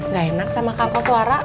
gak enak sama kak kosuara